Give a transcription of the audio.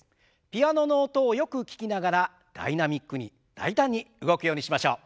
ピアノの音をよく聞きながらダイナミックに大胆に動くようにしましょう。